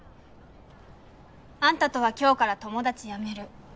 あんたとは今日から友達やめる。